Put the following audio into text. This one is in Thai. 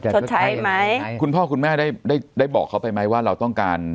ชดใช้ไหมคุณพ่อคุณแม่ได้ได้บอกเขาไปไหมว่าเราต้องการ